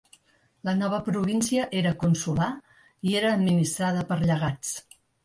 La nova província era consular i era administrada per llegats.